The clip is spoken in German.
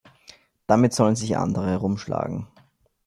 Damit sollen sich andere herumschlagen.